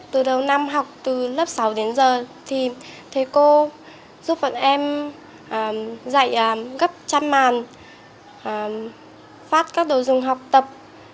từ đầu năm học từ lớp sáu đến giờ thì thầy cô giúp bọn em dạy gấp trăm màn phát các đồ dùng học tập